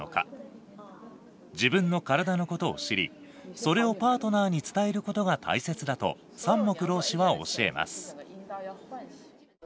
自分の体のことを知りそれをパートナーに伝えることが大切だと三木老師は教えます。